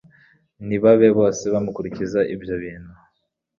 ntibabe bose bamukurikiza ibyo bintu